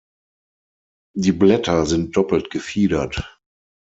Die Blätter sind doppelt gefiedert.